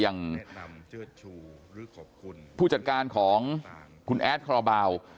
อย่างผู้จัดการของคุณแอดครอบราว